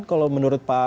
kalau menurut pak pandu